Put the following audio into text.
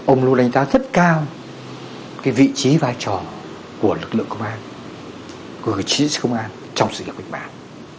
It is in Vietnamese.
ông luôn đánh giá thất cao cái vị trí vai trò của lực lượng công an của vị trí công an trong sự kiện khách mạng